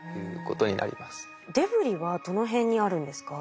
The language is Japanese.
デブリはどの辺にあるんですか？